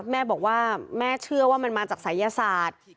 แม่บอกว่าแม่เชื่อว่ามันมาจากศัยศาสตร์